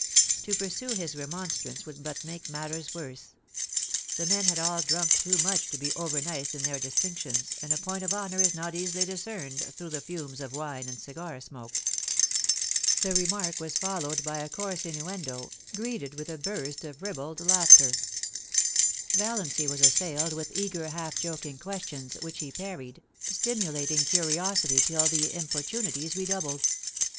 To pursue his remonstrance would but make matters worse. The men had all drunk too much to be over nice in their distinctions, and a point of honour is not easily discerned through the fumes of wine and cigar smoke. The remark was followed by a coarse innuendo, greeted with a burst of ribald laughter. Valiancy was assailed with eager, half joking questions, which he parried, stimulating curiosity till the importunities redoubled.